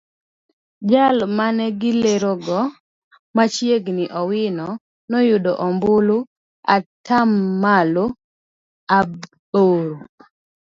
Jal mane olerogo machiegni Owino oyudo ombulu atamalo aboro.